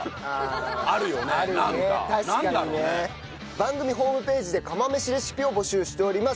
番組ホームページで釜飯レシピを募集しております。